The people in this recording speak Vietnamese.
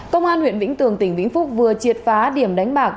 công an huyện vĩnh tường tỉnh vĩnh phúc vừa triệt phá điểm đánh bạc